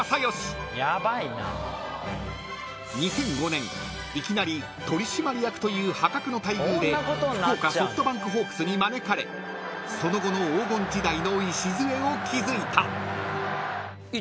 ［２００５年いきなり取締役という破格の待遇で福岡ソフトバンクホークスに招かれその後の黄金時代の礎を築いた］